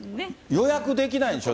予約できないんでしょ？